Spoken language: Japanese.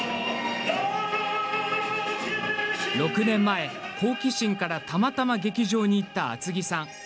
６年前、好奇心からたまたま劇場に行った厚木さん。